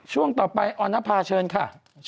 ช่วงต่อไปออนภาเชิญค่ะ